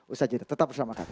usha jenderal tetap bersama kami